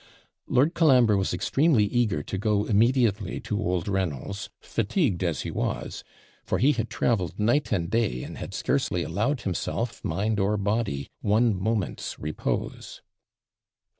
Lord Colambre was extremely eager to go immediately to old Reynolds, fatigued as he was; for he had travelled night and day, and had scarcely allowed himself, mind or body, one moment's repose.